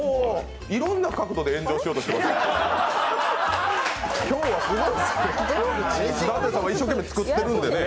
いろんな角度で炎上しようとしていますね。